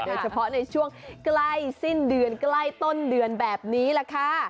โดยเฉพาะในช่วงใกล้สิ้นเดือนใกล้ต้นเดือนแบบนี้แหละค่ะ